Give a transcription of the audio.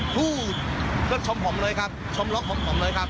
ผู้ก็ชมผมเลยครับชมล็อกของผมเลยครับ